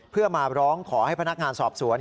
เพื่อมาร้องขอให้พนักงานสอบสวน